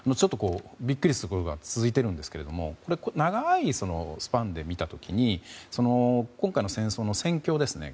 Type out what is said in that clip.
びっくりすることが続いているんですけど長いスパンで見た時に今回の戦争の戦況ですね。